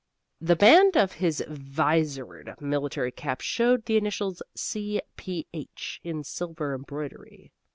The band of his vizored military cap showed the initials C.P.H. in silver embroidery.